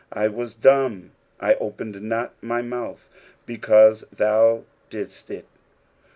9 I was dumb, I opened not my mouth ; because thou didst it.